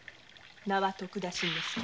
名は徳田新之助。